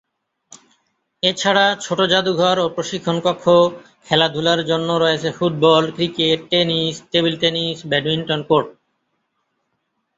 এছাড়া ছোট যাদুঘর ও প্রশিক্ষণ কক্ষ, খেলাধুলার জন্য রয়েছে football, cricket, tennis, table tennis, badminton court.